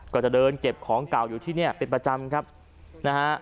ก็จะเดินเก็บของเก่าอยู่ที่นี่เป็นประจำครับนะฮะ